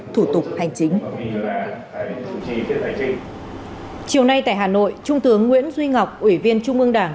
thủ tục hành chính chiều nay tại hà nội trung tướng nguyễn duy ngọc ủy viên trung ương đảng